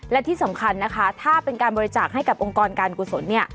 และที่สำคัญนะคะถ้าเป็นการบริจาคให้กับองค์กรการกุศลเนี่ย